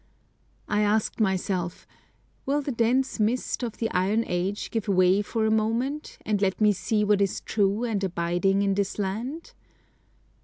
I asked myself, 'Will the dense mist of the iron age give way for a moment, and let me see what is true and abiding in this land?'